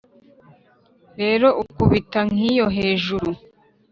Rero ukubita nk’iyo hejuru